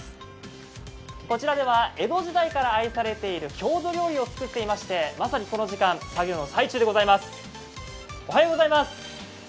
こちらでは江戸時代から愛されている郷土料理を作っていましてまさにこの時間、作業の最中でございます。